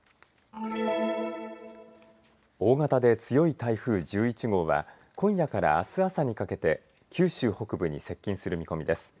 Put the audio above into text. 大型で強い台風１１号は今夜からあす朝にかけて九州北部に接近する見込みです。